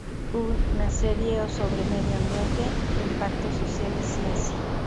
U na serie sobre medio ambiente, impacto social y ciencia.